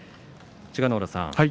千賀ノ浦さん